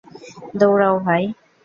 দৌড়াও, ভাই!